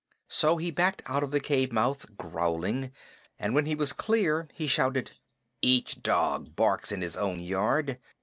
So he backed out of the cave mouth growling, and when he was clear he shouted: "Each dog barks in his own yard!